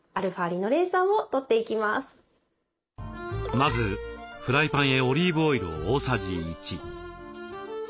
まずフライパンへオリーブオイルを大さじ１。